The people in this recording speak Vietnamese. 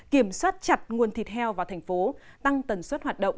kiểm soát chặt nguồn thịt heo vào thành phố tăng tần suất hoạt động